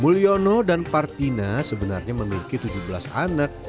mulyono dan partina sebenarnya memiliki tujuh belas anak